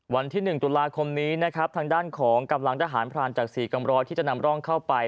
วันที่๑ตุลาคมนี้นะครับทางด้านของกำลังทหารพรานจาก๔กองร้อยที่จะนำร่องเข้าไป